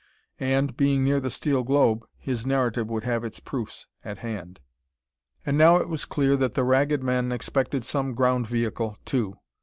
And, being near the steel globe, his narrative would have its proofs at hand. And now it was clear that the Ragged Men expected some ground vehicle, too.